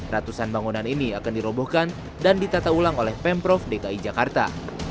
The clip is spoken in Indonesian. ratusan bangunan ini akan dirobohkan dan ditata ulang oleh pemprov dki jakarta